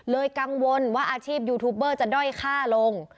กังวลว่าอาชีพยูทูบเบอร์จะด้อยค่าลง